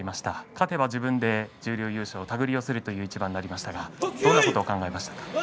勝てば自分で十両優勝を手繰り寄せるという一番でしたがどんなことを考えましたか。